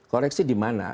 koreksi di mana